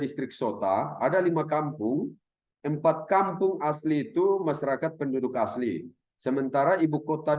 sota ada lima kampung empat kampung asli itu masyarakat penduduk asli sementara ibukota